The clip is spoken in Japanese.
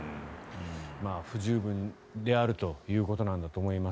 不十分であるということなんだと思います。